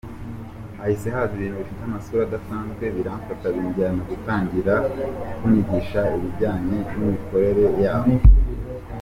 hahise haza ibintu bifite amasura adasanzwe biramfata binjyana gutangira kunyigisha ibijyanye n’imikorere yaho.